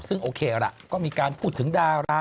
ซึ่งโอเคล่ะก็มีการพูดถึงดารา